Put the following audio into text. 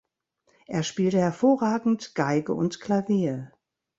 Er spielte hervorragend Geige und Klavier.